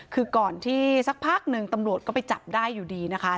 คือก่อนที่สักพักหนึ่งตำรวจก็ไปจับได้อยู่ดีนะคะ